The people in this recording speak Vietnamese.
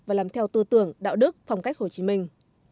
và làm theo tư tưởng đạo đức phong cách hồ chí minh